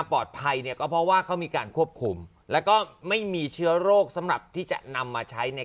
พี่บ้านมีกี่ใบอ่ะ